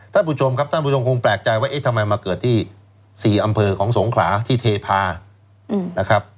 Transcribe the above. ท่านผู้ชมครับท่านผู้ชมคงแปลกใจว่าเอ๊ะทำไมมาเกิดที่๔อำเภอของสงขลาที่เทพานะครับ